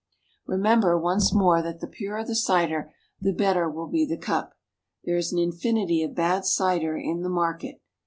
Remember once more that the purer the cider the better will be the cup. There is an infinity of bad cider in the market.